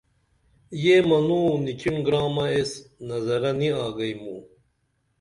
یہ منوں نیچڻ گرامہ ایس نظرہ نی آگئی موں